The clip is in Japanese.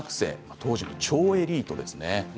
当時の超エリートです。